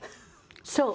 そう。